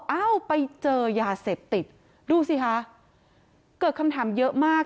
เอ้าไปเจอยาเสพติดดูสิคะเกิดคำถามเยอะมาก